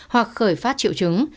hoặc khởi phát triệu chứng